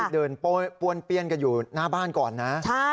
เดินป้วนเปี้ยนกันอยู่หน้าบ้านก่อนนะ